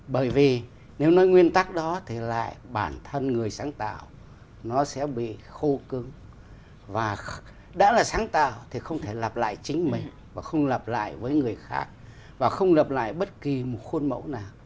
bởi vì nếu nói nguyên tắc đó thì lại bản thân người sáng tạo nó sẽ bị khô cứng và đã là sáng tạo thì không thể lặp lại chính mình và không lặp lại với người khác và không lập lại bất kỳ một khuôn mẫu nào